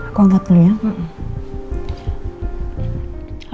aku angkat dulu ya